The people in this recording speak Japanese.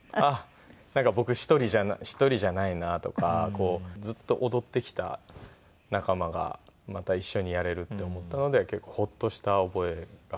なんか僕１人じゃないなとかずっと踊ってきた仲間がまた一緒にやれるって思ったので結構ホッとした覚えがあります。